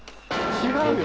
違うよ。